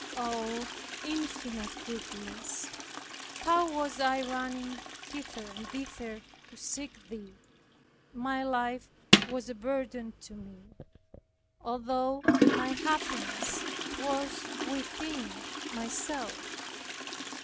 Oh, Infinite Goodness! how was I running hither and thither to seek Thee, my life was a burden to me, although my happiness was within myself.